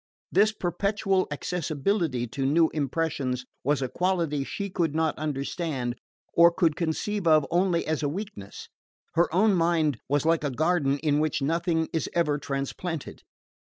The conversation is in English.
This perpetual accessibility to new impressions was a quality she could not understand, or could conceive of only as a weakness. Her own mind was like a garden in which nothing is ever transplanted.